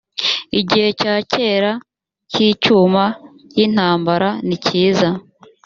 igihe cya kera k icyuma yintambara nikiza